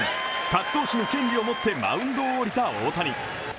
勝ち投手の権利を持ってマウンドを降りた大谷